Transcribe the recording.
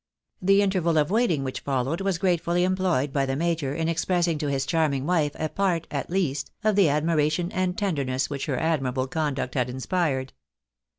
The interval of waiting which fol lowed was gratefully employed by the major in expressing to his charming wife a part, at least, of the admiration and tenderness which her admirable conduct had inspired.